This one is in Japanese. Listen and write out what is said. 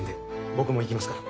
僕も行きますから。